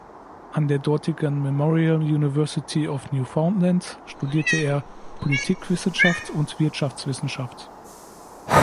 An der dortigen Memorial University of Newfoundland studierte er Politikwissenschaft und Wirtschaftswissenschaft.